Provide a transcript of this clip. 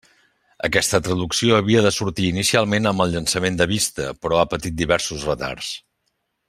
Aquesta traducció havia de sortir inicialment amb el llançament de Vista però ha patit diversos retards.